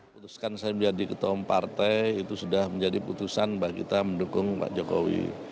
putuskan saya menjadi ketua umum partai itu sudah menjadi putusan bahwa kita mendukung pak jokowi